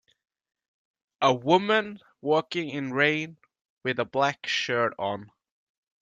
A woman walking in rain, with a black shirt on.